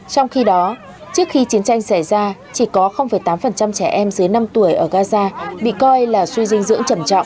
trong khi đó trước khi chiến tranh xảy ra chỉ có tám trẻ em dưới năm tuổi ở gaza bị coi là suy dinh dưỡng trầm trọng